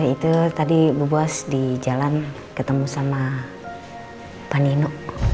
itu tadi bu bos di jalan ketemu sama paninu